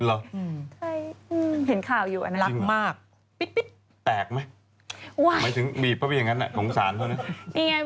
แอฟรักมากแตกมั้ยไม่ถึงมีพระบีอย่างงั้นโผงสารเท่านั้น